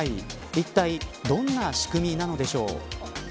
いったいどんな仕組みなのでしょう。